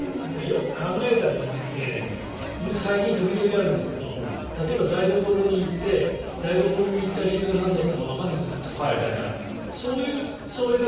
よく考えたらじゃなくて僕最近、時々、あるんですけど例えば、台所に行って台所に行った理由がなんだったかわからなくなっちゃったみたいなそういう。